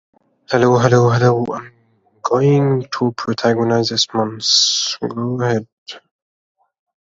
He kills his male victims by placing them in trash bags alive.